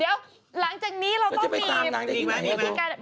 เดี๋ยวลงจากนี้เราต้องไปไปตามนางอีกไหม